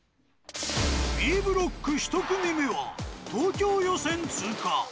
Ｂブロック１組目は東京予選通過。